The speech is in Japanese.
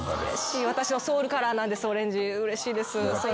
私のソウルカラーなんですオレンジうれしいです。